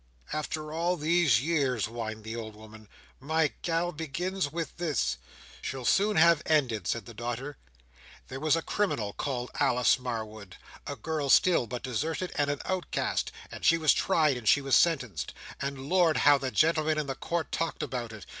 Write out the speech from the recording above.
"After all these years!" whined the old woman. "My gal begins with this." "She'll soon have ended," said the daughter. "There was a criminal called Alice Marwood—a girl still, but deserted and an outcast. And she was tried, and she was sentenced. And lord, how the gentlemen in the Court talked about it!